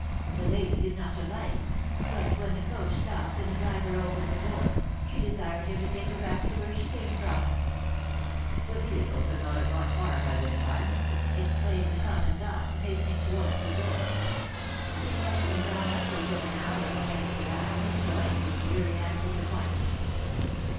The lady did not alight, but when the coach stopped and the driver opened the door, she desired him to take her back to where she came from.' 'The vehicle cannot have got far by this time,' exclaimed the commandant, hastening towards the door. 'It has been gone upwards of an hour,' answered I, enjoying his fury and disappointment.